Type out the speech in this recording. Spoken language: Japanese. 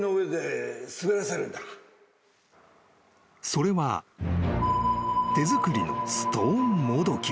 ［それは手作りのストーンもどき］